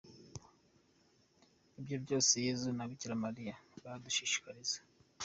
Ibyo sibyo Yezu na Bikiramariya badushishikariza.